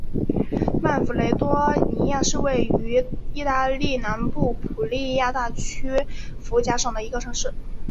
曼弗雷多尼亚是位于义大利南部普利亚大区福贾省的一个城市。